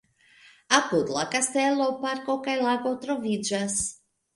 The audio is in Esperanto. Apud la kastelo parko kaj lago troviĝas.